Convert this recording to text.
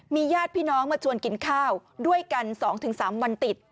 ญาติพี่น้องมาชวนกินข้าวด้วยกัน๒๓วันติด